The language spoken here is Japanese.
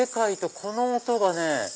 この音がね